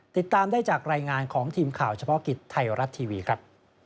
ติดตามได้จากรายงานของทีมข่าวเฉพาะกิจไทยรัฐทีวีครับ